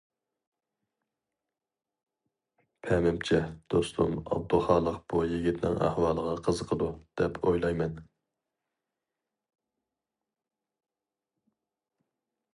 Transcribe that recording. پەمىمچە، دوستۇم ئابدۇخالىق بۇ يىگىتنىڭ ئەھۋالىغا قىزىقىدۇ، دەپ ئويلايمەن.